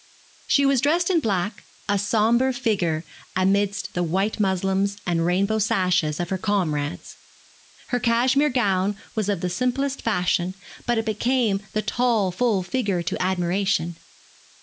She was dressed in black, a sombre figure amidst the white muslins and rainbow sashes of her comrades. Her cashmere gown was of the simplest fashion, but it became the tall full figure to admiration.